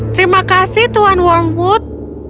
terima kasih tuan wormwood